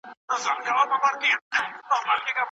که يو د بل نظر واورئ، نو د صميميت ژوند به ولرئ